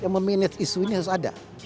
memanage isu ini harus ada